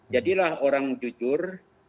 jadilah orang jujur